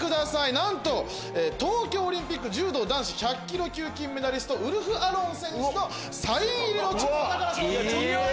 なんと東京オリンピック柔道男子１００ｋｇ級金メダリストウルフアロン選手のサイン入りの超お宝賞品。